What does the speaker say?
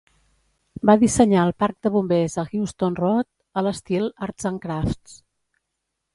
Va dissenyar el parc de bombers a Euston Road, a l'estil "Arts and Crafts".